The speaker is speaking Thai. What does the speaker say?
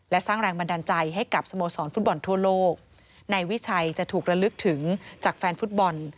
และสร้างแรงบันดาลใจให้กับสโมสรฟุตบอลทั่วโลกนายวิชัยจะถูกระลึกถึงจากแฟนฟุตบอล